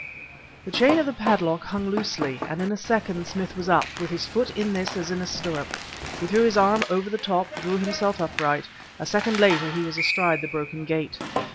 The chain of the padlock hung loosely; and in a second Smith was up, with his foot in this as in a stirrup. He threw his arm over the top and drew himself upright. A second later he was astride the broken gate.